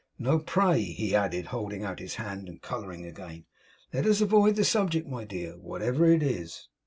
No, pray!' he added, holding out his hand and colouring again, 'let us avoid the subject, my dear, whatever it is!